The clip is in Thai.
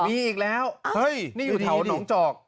มีอีกแล้วเฮ้ยนี่อยู่แถวหนองจอก